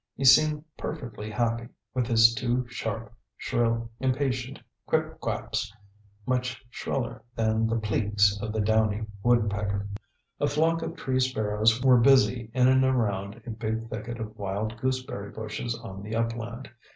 He seemed perfectly happy, with his two sharp, shrill, impatient "quip quaps," much shriller than the "pleeks" of downy woodpecker. A flock of tree sparrows were busy in and around a big thicket of wild gooseberry bushes on the upland.